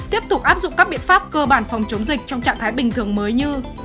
tiếp tục áp dụng các biện pháp cơ bản phòng chống dịch trong trạng thái bình thường mới như